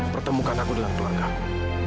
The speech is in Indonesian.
pertemukan aku dengan keluargaku